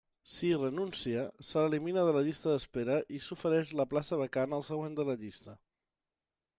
Si hi renuncia, se l'elimina de la llista d'espera i s'ofereix la plaça vacant al següent de la llista.